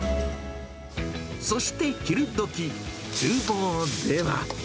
そして昼どき、ちゅう房では。